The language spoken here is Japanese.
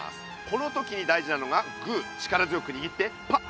この時に大事なのがグー力強くにぎってパッ！